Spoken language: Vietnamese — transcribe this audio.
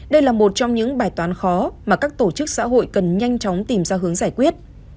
đây là một trong những bài toán khó mà các tổ chức xã hội cần nhanh chóng tìm ra hướng giải quyết